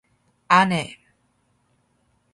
아네.